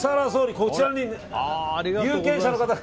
こちらに有権者の方が。